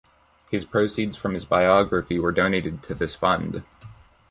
His proceeds from his biography were donated to this fund.